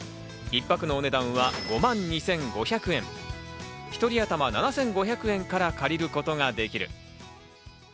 一泊のお値段は５万２５００円、１人頭７５００円から借りることができる。